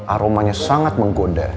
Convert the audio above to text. aromanya sangat menggoda